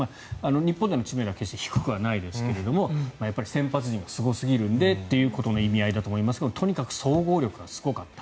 日本での知名度は決して低くはないですがやっぱり先発陣がすごすぎるのでという意味合いだと思いますがとにかく総合力がすごかった。